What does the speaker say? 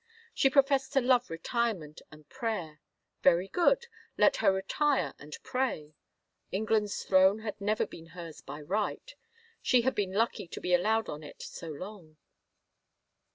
She professed to love retirement and prayer. Very good, let her retire and pray 1 ... England's throne had never been hers by right — she had been lucky to be allowed on it so long.